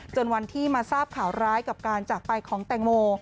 จนวันที่มาทราบข่าวร้ายกับการจากไปของแตงโม